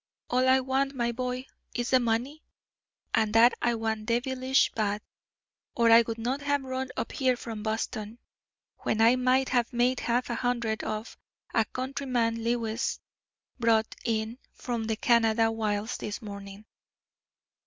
All I want, my boy, is the money, and that I want devilish bad, or I would not have run up here from Boston, when I might have made half a hundred off a countryman Lewis brought in from the Canada wilds this morning."